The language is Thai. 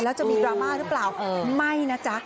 แล้วจะมีดราม่าหรือเปล่าไม่นะจ๊ะ